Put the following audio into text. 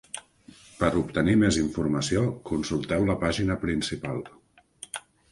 Per obtenir més informació, consulteu la pàgina principal.